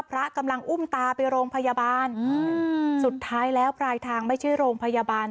พระกำลังอุ้มตาไปโรงพยาบาลอืมสุดท้ายแล้วปลายทางไม่ใช่โรงพยาบาล